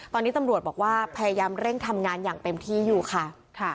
ตอนนี้ตำรวจบอกว่าพยายามเร่งทำงานอย่างเต็มที่อยู่ค่ะ